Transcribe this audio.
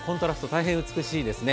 大変、美しいですね。